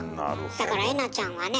だからえなちゃんはね